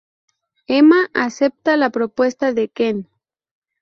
Emma acepta la propuesta de Ken.